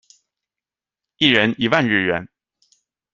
一人一万日元